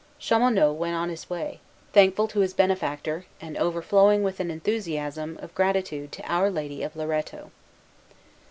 Chaumonot went on his way, thankful to his benefactor, and overflowing with an enthusiasm of gratitude to Our Lady of Loretto.